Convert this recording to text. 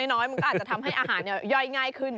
น้อยมันก็อาจจะทำให้อาหารย่อยง่ายขึ้น